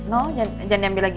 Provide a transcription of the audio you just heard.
no jangan ambil lagi